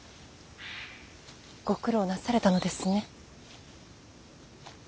ご苦労なされたのですね。